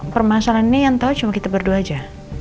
permasalahan ini yang tahu cuma kita berdua aja